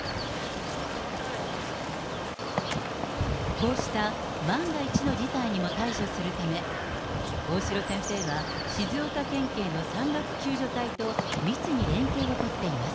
こうした万が一の事態にも対処するため、大城先生は、静岡県警の山岳救助隊と密に連携を取っています。